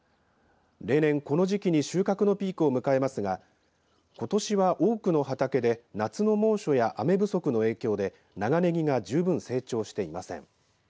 例年この時期に収穫のピークを迎えますがことしは多くの畑で夏の猛暑や雨不足の影響で長ねぎが十分成長していません。